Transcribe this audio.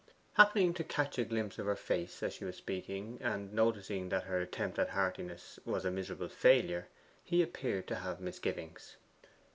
Happening to catch a glimpse of her face as she was speaking, and noticing that her attempt at heartiness was a miserable failure, he appeared to have misgivings.